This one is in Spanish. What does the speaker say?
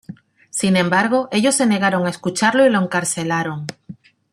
Sin embargo, ellos se negaron a escucharlo y lo encarcelaron.